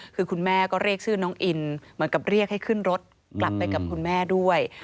คือคุณแม่ก็เรียกชื่อน้องอินเหมือนกับเรียกให้ขึ้นรถกลับไปกับคุณแม่ด้วย